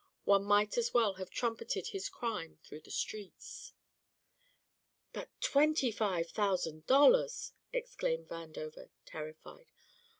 One might as well have trumpeted his crime through the streets. "But twenty five thousand dollars!" exclaimed Vandover, terrified.